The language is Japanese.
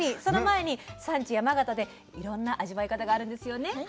その前に産地山形でいろんな味わい方があるんですよね？